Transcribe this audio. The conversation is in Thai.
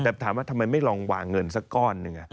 แต่ถามว่าทำไมไม่ลองวางเงินสักก้อนหนึ่ง